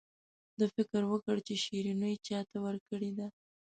ده فکر وکړ چې شیرینو چاته ورکړې ده.